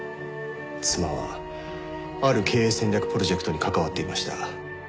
妻はある経営戦略プロジェクトに関わっていました。